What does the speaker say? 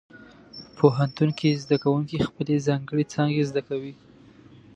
پوهنتون کې زده کوونکي خپلې ځانګړې څانګې زده کوي.